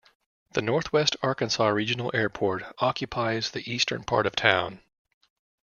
The Northwest Arkansas Regional Airport occupies the eastern part of town.